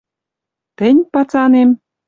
Тӹнь, пацанем